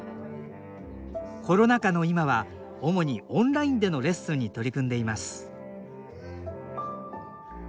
コロナ禍の今は主にオンラインでのレッスンに取り組んでいます